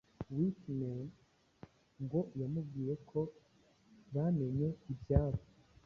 Whitney ngo yamubwiye ko bamenye ibyabo